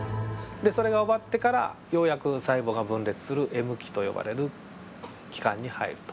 でそれが終わってからようやく細胞が分裂するＭ期と呼ばれる期間に入ると。